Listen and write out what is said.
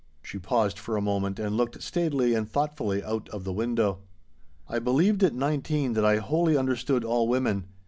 She paused for a moment, and looked staidly and thoughtfully out of the window. I believed at nineteen that I wholly understood all women.